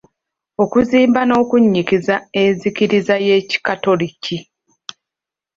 Okuzimba n'okunnyikiza enzikiriza y'Ekikatoliki.